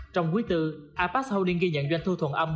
trong quý tư apex holdings ghi nhận doanh thu thuận